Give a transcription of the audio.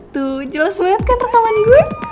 tuh jelas banget kan renamen gue